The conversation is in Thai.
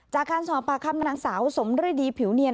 จากค้านสภาพผ่านครับนางสาวสมในดวนดีผิวเนียน